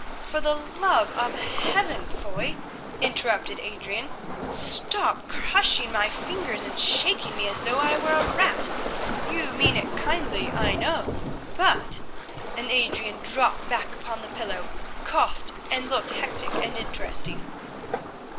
"For the love of Heaven, Foy," interrupted Adrian, "stop crushing my fingers and shaking me as though I were a rat. You mean it kindly, I know, but—" and Adrian dropped back upon the pillow, coughed and looked hectic and interesting.